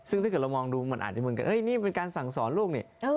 ซึ่งถ้าเกิดเรามองดูมันอาจจะเหมือนกันนี่เป็นการสั่งสอนลูกนี่